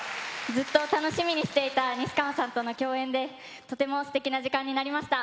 ずっと楽しみにしていた西川さんとの共演で楽しい時間になりました。